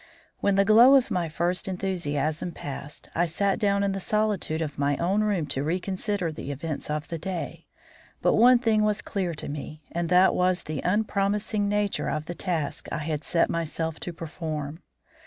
When the glow of my first enthusiasm passed, I sat down in the solitude of my own room to reconsider the events of the day, but one thing was clear to me, and that was the unpromising nature of the task I had set myself to perform.